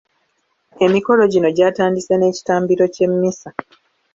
Emikolo gino gyatandise n’ekitambiro ky’emmisa.